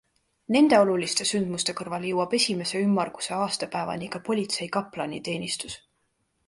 Nende oluliste sündmuste kõrval jõuab esimese ümmarguse aastapäevani ka politsei kaplaniteenistus.